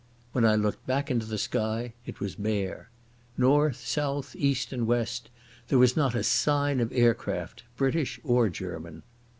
When I looked back into the sky, it was bare. North, south, east, and west, there was not a sign of aircraft, British or German.